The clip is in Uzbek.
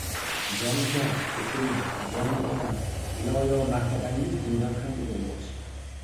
— Jon ukam, kechiring, jon ukam! Iloyo martabangiz bundan ham ulug‘ bo‘lsin!